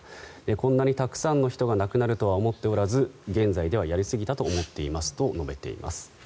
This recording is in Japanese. こんなにたくさんの人が亡くなるとは思っておらず現在ではやりすぎたと思っていますと述べています。